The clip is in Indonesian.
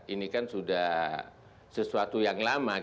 ini kan sudah sesuatu yang lama